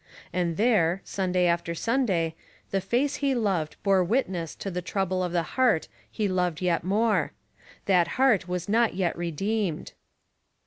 And there, Sunday after Sunday, the face he loved bore witness to the trouble of the heart he loved yet more: that heart was not yet redeemed!